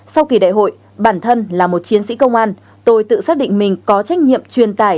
sau kỳ đại hội bản thân là một chiến sĩ công an tôi tự xác định mình có trách nhiệm truyền tài